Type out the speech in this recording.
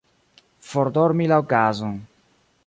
Fordormi la okazon.